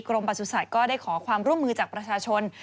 ประสุทธิ์ก็ได้ขอความร่วมมือจากประชาชน